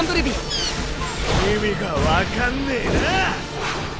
意味が分かんねぇなぁ！